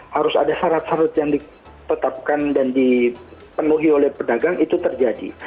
harus ada syarat syarat yang ditetapkan dan dipenuhi oleh pedagang itu terjadi